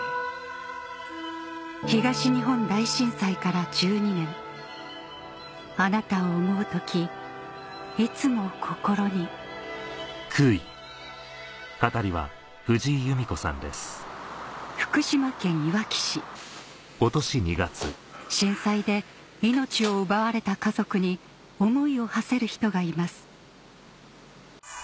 東日本大震災から１２年あなたを想うときいつも心に震災で命を奪われた家族に思いをはせる人がいます